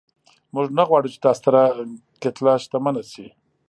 موږ نه غواړو چې دا ستره کتله شتمنه شي.